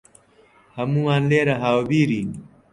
هەموومان لێرە هاوبیرین.